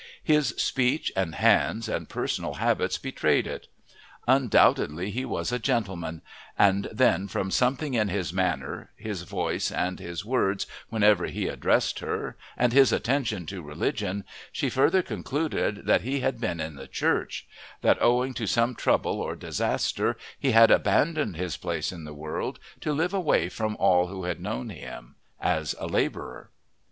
His speech and hands and personal habits betrayed it. Undoubtedly he was a gentleman; and then from something in his manner, his voice, and his words whenever he addressed her, and his attention to religion, she further concluded that he had been in the Church; that, owing to some trouble or disaster, he had abandoned his place in the world to live away from all who had known him, as a labourer.